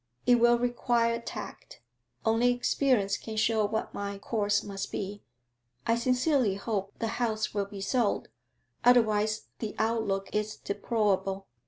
'It will require tact. Only experience can show what my course must be.' 'I sincerely hope the house will be sold. Otherwise, the outlook is deplorable.'